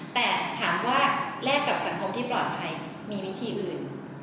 แต่ถามว่าแลกกับสังคมที่ปลอดภัยมีวิธีอื่น